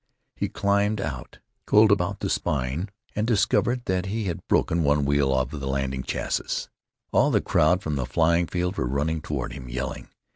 He climbed out, cold about the spine, and discovered that he had broken one wheel of the landing chassis. All the crowd from the flying field were running toward him, yelling.